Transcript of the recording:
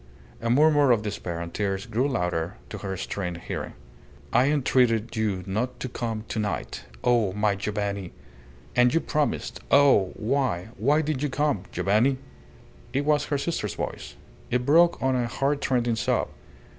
A murmur of despair and tears grew louder to her strained hearing. "I entreated you not to come to night. Oh, my Giovanni! And you promised. Oh! Why why did you come, Giovanni?" It was her sister's voice. It broke on a heartrending sob.